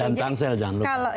dan tangsel jangan lupa